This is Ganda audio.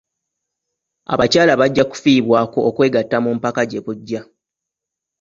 Abakyala bajja kufiibwako okwegatta mu mpaka gye bujja.